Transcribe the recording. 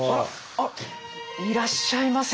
あっいらっしゃいませ。